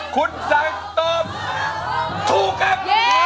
คุณสังตอบถูกครับ